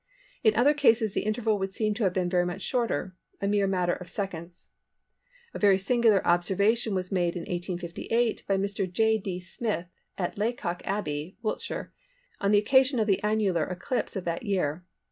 In other cases the interval would seem to have been very much shorter—a mere matter of seconds. A very singular observation was made in 1858 by Mr. J. D. Smith at Laycock Abbey, Wiltshire, on the occasion of the annular eclipse of that year.